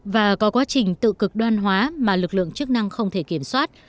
và có quá trình tự cực đoan hóa mà lực lượng chức năng không thể kiểm soát